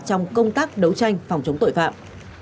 trong công tác đấu tranh phòng chống tội phạm